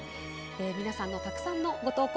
皆さんのたくさんのご投稿